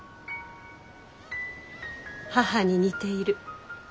「母に似ている」。